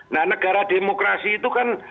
nah negara demokrasi itu kan